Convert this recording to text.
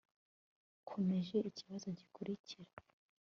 yakomeje ikibazo gikurikira